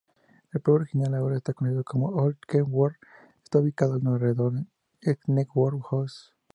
El pueblo original, ahora conocido como Old Knebworth, está ubicado alrededor de Knebworth House.